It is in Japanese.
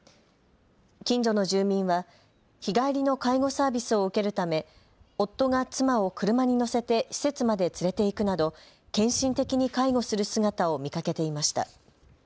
近所の住民は日帰りの介護サービスを受けるため夫が妻を車に乗せて施設まで連れて行くなど献身的に介護する姿を見かけていました。